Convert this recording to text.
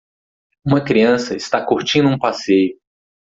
Uma criança está curtindo um passeio.